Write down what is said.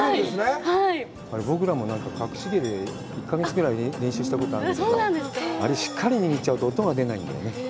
僕らも隠し芸で１か月ぐらい練習したことあるんだけど、あれ、しっかり握っちゃうと音が出ないんだよね。